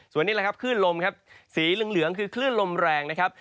ส่วนนี้แหละครับคลื่นลมครับสีเหลืองคือคลื่นลมแรงนะครับ